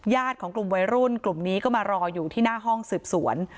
ของกลุ่มวัยรุ่นกลุ่มนี้ก็มารออยู่ที่หน้าห้องสืบสวน